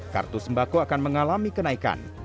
kartu sembako akan mengalami kenaikan